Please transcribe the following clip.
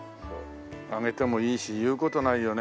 揚げてもいいし言う事ないよね。